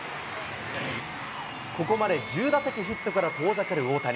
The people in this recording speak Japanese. ここまで１０打席ヒットから遠ざかる大谷。